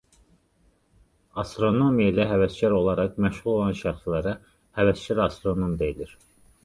Astronomiya ilə həvəskar olaraq məşğul olan şəxslərə həvəskar astronom deyilir.